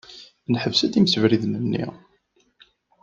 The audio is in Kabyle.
Neḥbes-d imsebriden-nni.